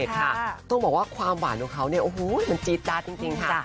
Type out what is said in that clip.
ต้องบอกว่าความหวานของเขาเนี่ยโอ้โหมันจี๊ดจ๊าดจริงค่ะ